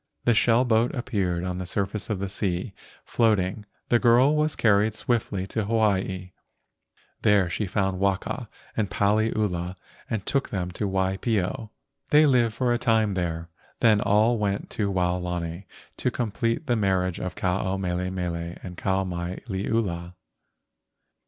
The shell boat appeared on the surface of the sea, floating. The girl was carried swiftly to Hawaii. There she found Waka and Paliula a;nd took them to Waipio. They lived for a time there, then all went to Waolani to com¬ plete the marriage of Ke ao mele mele to Kau mai liula.